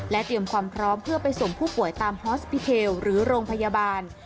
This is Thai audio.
เตรียมความพร้อมเพื่อไปส่งผู้ป่วยตามฮอสปิเทลหรือโรงพยาบาล